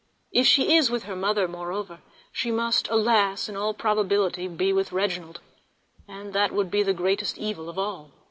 If she is with her mother, moreover, she must, alas! in all probability be with Reginald, and that would be the greatest evil of all.